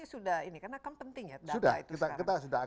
sudah ini karena kan penting ya data itu sekarang